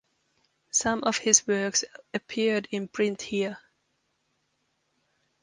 Some of his works appeared in print here.